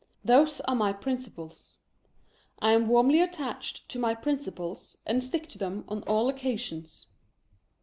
Those are my principles. I am warmly attached to my principles, and stick to them on all occasions.